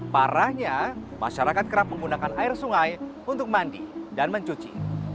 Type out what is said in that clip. parahnya masyarakat kerap menggunakan air sungai untuk mandi dan mencuci